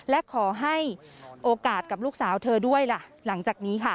และขอให้โอกาสกับลูกสาวเธอด้วยล่ะหลังจากนี้ค่ะ